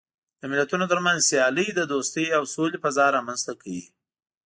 د ملتونو ترمنځ سیالۍ د دوستۍ او سولې فضا رامنځته کوي.